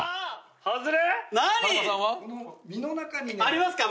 ありますか？